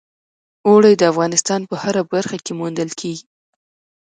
اوړي د افغانستان په هره برخه کې موندل کېږي.